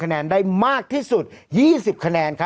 คะแนนได้มากที่สุด๒๐คะแนน